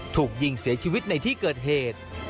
ถูกยิงเสียชีวิตในที่เกิดเหตุ